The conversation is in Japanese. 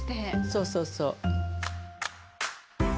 そうそうそう。